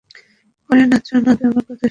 পরে নাচুন, আগে আমার কথা শুনুন।